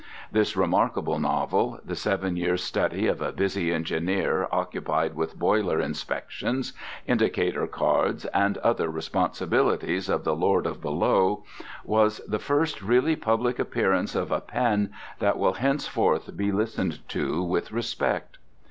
This remarkable novel, the seven years' study of a busy engineer occupied with boiler inspections, indicator cards and other responsibilities of the Lord of Below, was the first really public appearance of a pen that will henceforth be listened to with respect.